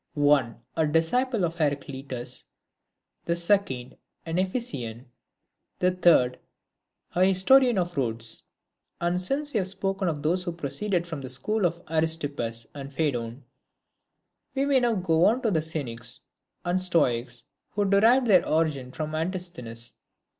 One, a disciple of Heraclitus ; the second, an Ephesian ; the third, a historian of Rhodes. And since we have spoken of those who proceeded from the school of Aristippus and Phaedon, we may now go on to the Cynics and Stoics, who derived their origin from Antisthenes.